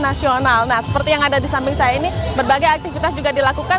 nah seperti yang ada di samping saya ini berbagai aktivitas juga dilakukan